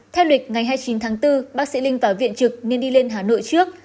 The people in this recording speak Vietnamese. theo lịch ngày hai mươi chín tháng bốn bác sĩ linh vào viện trực nên đi lên hà nội trước